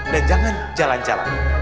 dan jangan jalan jalan